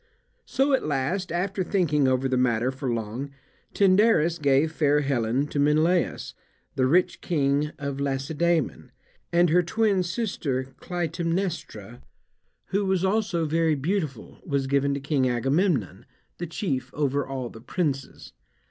So at last, after thinking over the matter for long, Tyndarus gave fair Helen to Menelaus, the rich King of Lacedaemon; and her twin sister Clytaemnestra, who was also very beautiful, was given to King Agamemnon, the chief over all the princes.